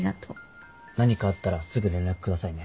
何かあったらすぐ連絡下さいね。